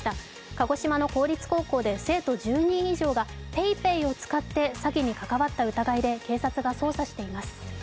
鹿児島の公立高校で生徒１０人以上がＰａｙＰａｙを使って詐欺に関わった疑いで警察が捜査しています。